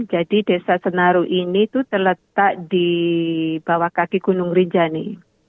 jadi desa senaruh ini tuh terletak di bawah kaki gunung rinjani